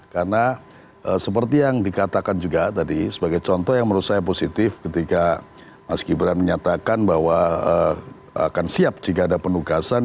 karena seperti yang dikatakan juga tadi sebagai contoh yang menurut saya positif ketika mas gibran menyatakan bahwa akan siap jika ada penugasan